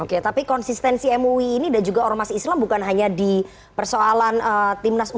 oke tapi konsistensi mui ini dan juga ormas islam bukan hanya di persoalan timnas u dua puluh